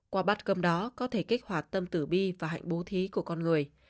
qua bát cơm đó có thể kích hoạt tâm tử bi và hạnh bố thí của con người